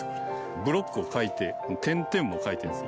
ブロックを描いて点々も描いているんですよ。